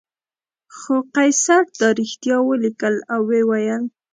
خو قیصر دا رښتیا ولیکل او وویل.